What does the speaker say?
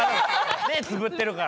目つぶってるから。